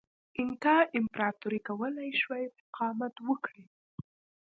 اینکا امپراتورۍ کولای شوای مقاومت وکړي.